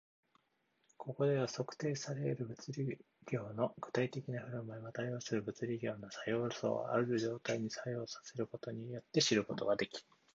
ここでは、測定され得る物理量の具体的な振る舞いは、対応する物理量の作用素をある状態に作用させることによって知ることができる